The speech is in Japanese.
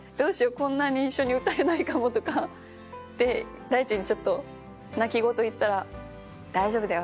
こんなに一緒に歌えないかも」とかって大知にちょっと泣き言言ったら「大丈夫だよ。